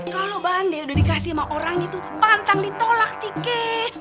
kalau bande udah dikasih sama orangnya tuh pantang ditolak tike